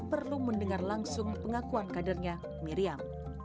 perlu mendengar langsung pengakuan kadernya miriam